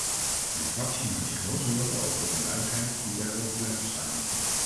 Mijn fractie maakt zich wel zorgen over de onduidelijkheid die daarover blijft bestaan.